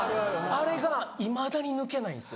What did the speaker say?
あれがいまだに抜けないんです。